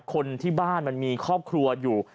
คนที่บ้านมันมีครอบครัวอยู่